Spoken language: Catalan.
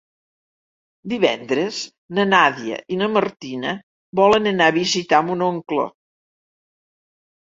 Divendres na Nàdia i na Martina volen anar a visitar mon oncle.